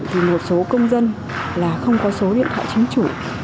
thì một số công dân là không có số điện thoại chính chủ